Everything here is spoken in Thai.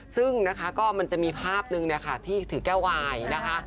ซึ่งก็มันจะมีภาพหนึ่งที่ถือแก้วไหว้นะคะ